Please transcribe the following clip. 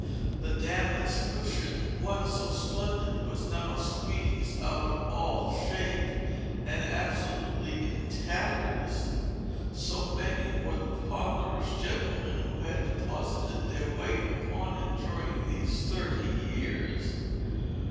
The damask cushion, once so splendid, was now squeezed out of all shape, and absolutely in tatters, so many were the ponderous gentlemen who had deposited their weight upon it, during these thirty years.